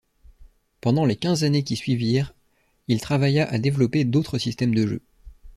Pendant les quinze années qui suivirent, il travailla à développer d'autres systèmes de jeu.